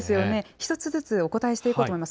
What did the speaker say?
１つずつお答えしていこうと思います。